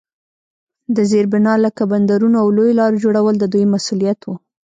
د زیربنا لکه بندرونو او لویو لارو جوړول د دوی مسوولیت وو.